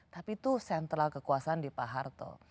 tapi itu sentral kekuasaan di pak harto